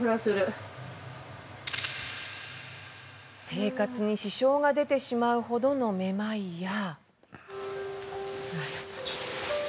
生活に支障が出てしまうほどのめまいや。